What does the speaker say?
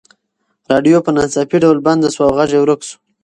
راډیو په ناڅاپي ډول بنده شوه او غږ یې ورک شو.